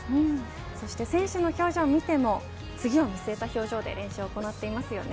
そして、選手の表情を見ても次を見据えた表情で練習を行っていますよね。